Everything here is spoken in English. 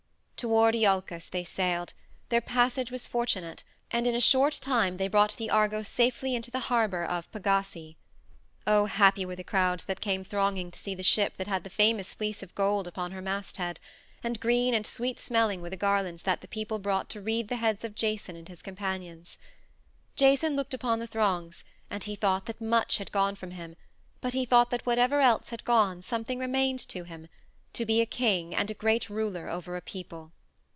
Toward Iolcus they sailed; their passage was fortunate, and in a short time they brought the Argo safely into the harbor of Pagasae. Oh, happy were the crowds that came thronging to see the ship that had the famous Fleece of Gold upon her masthead, and green and sweet smelling were the garlands that the people brought to wreathe the heads of Jason and his companions! Jason looked upon the throngs, and he thought that much had gone from him, but he thought that whatever else had gone something remained to him to be a king and a great ruler over a people.